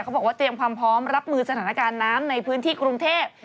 บอกว่าเตรียมความพร้อมรับมือสถานการณ์น้ำในพื้นที่กรุงเทพ